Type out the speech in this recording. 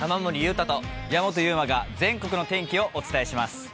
矢本悠馬が全国の天気をお伝えします。